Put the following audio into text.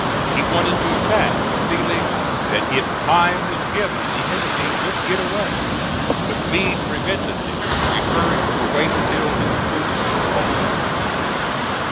He wanted to attack, feeling that if time was given, the enemy would get away; but Meade prevented this, preferring to wait till his troops were all up.